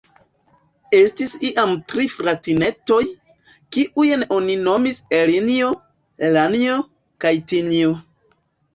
Estis iam tri fratinetoj, kiujn oni nomis Elnjo, Lanjo, kaj Tinjo.